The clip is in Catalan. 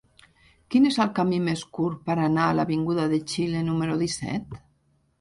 Quin és el camí més curt per anar a l'avinguda de Xile número disset?